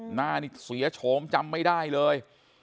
หน้านี่เสียโฉมจำไม่ได้เลย